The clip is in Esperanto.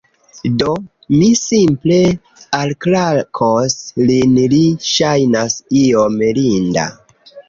Do, mi simple alklakos lin li ŝajnas iom linda